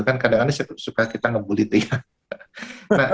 kan kadang kadang suka kita ngebully itu ya